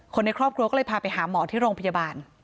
ในครอบครัวก็เลยพาไปหาหมอที่โรงพยาบาล